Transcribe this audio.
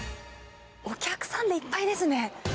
お客さんでいっぱいですね。